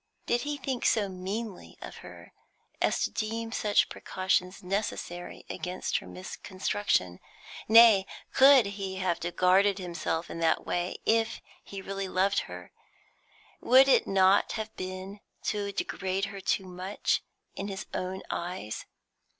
Did he think so meanly of her as to deem such precautions necessary against her misconstruction? Nay, could he have guarded himself in that way if he really loved her? Would it not have been to degrade her too much in his own eyes?